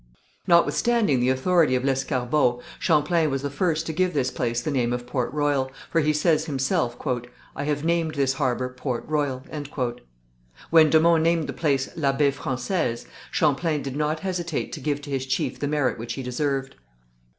Notwithstanding the authority of Lescarbot, Champlain was the first to give this place the name of Port Royal, for he says himself, "I have named this harbour Port Royal." When de Monts named the place La Baie Française, Champlain did not hesitate to give to his chief the merit which he deserved.